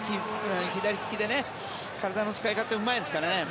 左利きで体の使い方がうまいですからね。